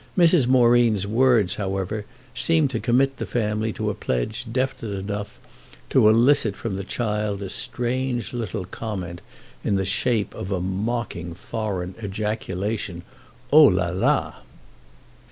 Mrs. Moreen's words, however, seemed to commit the family to a pledge definite enough to elicit from the child a strange little comment in the shape of the mocking foreign ejaculation "Oh la la!"